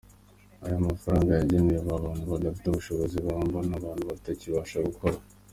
Ariya mafaranga yagenewe ba bantu badafite ubushobozi na mba, ba bantu batakibasha gukora.